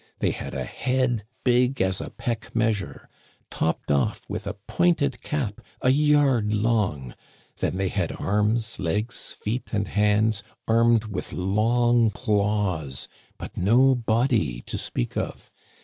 They had a head big as a peck measure, topped off with a pointed cap a yard long; then they had arms, legs, feet, and hands armed with long claws, but no body to speak of.